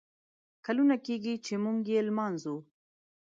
کلونه کیږي ، چې موږه لمانځو